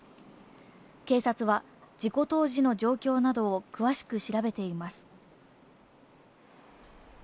警察は事故当時の状況などを詳しく調べています。